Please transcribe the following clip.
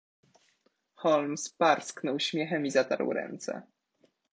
"Holmes parsknął śmiechem i zatarł ręce."